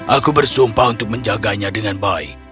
aku bersumpah untuk menjaganya dengan baik